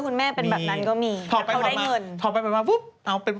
คุณแม่เป็นแบบนั้นก็มีเขาได้เงิน